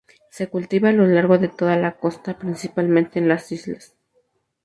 Se cultiva a lo largo de toda la costa, principalmente en las islas.